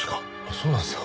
そうなんですよ。